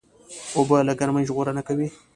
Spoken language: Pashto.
اوبه له ګرمۍ ژغورنه کوي.